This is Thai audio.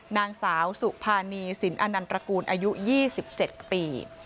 นางสาวสุภานีสินอนันตระกูลอายุ๒๗ปี